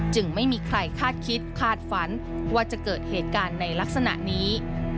จึงไม่มีใครคาดคิดคาดฝันว่าจะเกิดเหตุการณ์ในลักษณะนี้